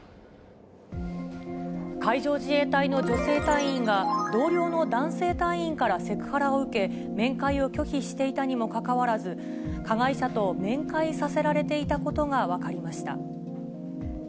海上自衛隊の女性隊員が、同僚の男性隊員からセクハラを受け、面会を拒否していたにもかかわらず、加害者と面会させられていたことが分かりました。